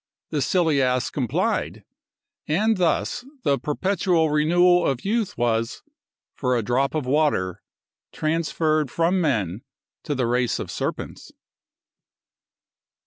The silly ass complied, and thus the perpetual renewal of youth was, for a drop of water, transferred from men to the race of serpents.